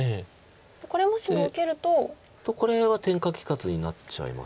これもしも受けると。とこれは天下利かずになっちゃいますか。